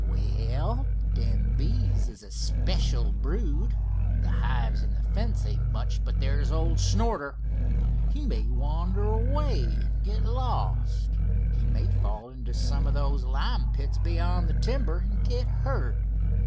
"Well, them bees is a special brood. The hives and the fence ain't much, but there's old Snorter. He may wander away and get lost; he may fall into some of those lime pits beyond the timber and get hurt.